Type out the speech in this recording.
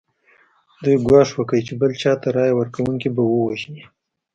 دوی ګواښ وکړ چې بل چا ته رایه ورکونکي به ووژني.